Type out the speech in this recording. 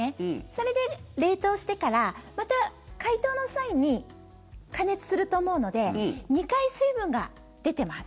それで冷凍してからまた解凍の際に加熱すると思うので２回水分が出てます。